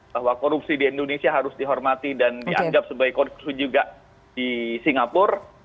bahwa korupsi di indonesia harus dihormati dan dianggap sebagai korupsi juga di singapura